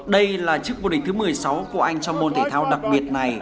đây là chiếc vô địch thứ một mươi sáu của anh trong môn thể thao đặc biệt này